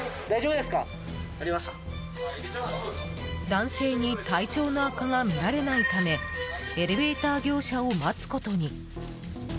男性に体調の悪化が見られないためエレベーター業者を待つことに。